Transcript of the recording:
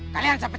kalian saya pecat